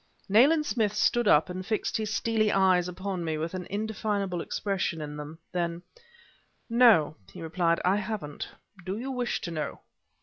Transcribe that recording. Nayland Smith stood up and fixed his steely eyes upon me with an indefinable expression in them. Then: "No," he replied; "I haven't. Do you wish to know?"